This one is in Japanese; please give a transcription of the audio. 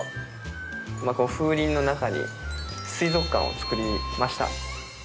この風鈴の中に水族館を作りました。